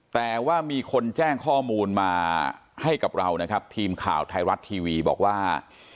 แต่ว่ามีคนแจ้งข้อมูลมาให้กับเรานะครับทีมข่าวไทยรัฐทีวีบอกว่า